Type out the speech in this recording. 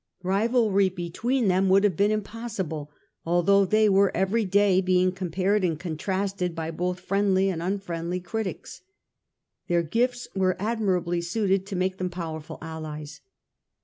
Kivalry between them would have been im possible, although they were every day being com pared and contrasted by both friendly and unfriendly critics. Their gifts were admirably suited to make them powerful allies.